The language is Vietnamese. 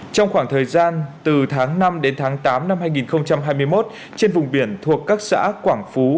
trong khoảng thời gian từ tháng năm đến tháng tám năm hai nghìn hai mươi một trên vùng biển thuộc các xã quảng phú